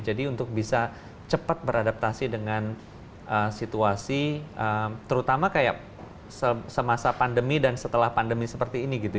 jadi untuk bisa cepat beradaptasi dengan situasi terutama kayak semasa pandemi dan setelah pandemi seperti ini gitu ya